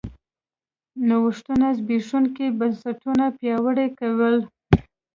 نوښتونو زبېښونکي بنسټونه پیاوړي کول